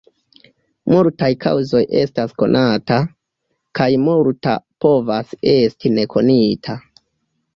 Multaj kaŭzoj estas konata, kaj multa povas esti ne konita.